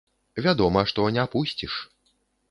Вядома, што не пусціш.